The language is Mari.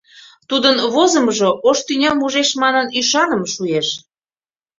Тудын возымыжо ош тӱням ужеш манын, ӱшаныме шуэш.